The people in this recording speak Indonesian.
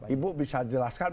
ibu bisa jelaskan